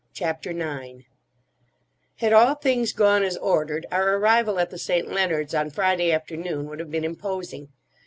CHAPTER IX HAD all things gone as ordered, our arrival at the St. Leonards' on Friday afternoon would have been imposing.